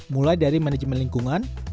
mulai dari manajemen lingkungan